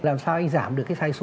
làm sao anh giảm được cái sai số